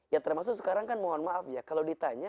ya termasuk sekarang kan mohon maaf ya kalau ditanya